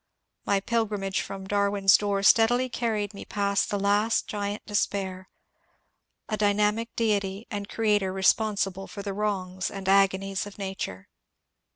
My pilgrimage from Darwin's door steadily carried me past the last Giant Despair, — a dynamic deity and creator responsible for the wrongs and agonies of nature.